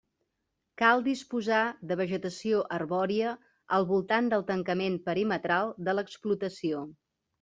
Cal disposar de vegetació arbòria al voltant del tancament perimetral de l'explotació.